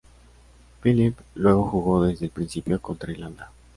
Phillips luego jugó desde el principio contra Irlanda.